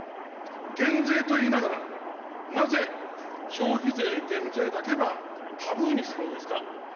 減税といいながら、なぜ、消費税減税だけはタブーにするのですか。